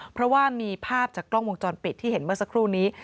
เพราะว่ามีภาพจากกล้องวงจรปิดที่เห็นเมื่อสักครู่นี้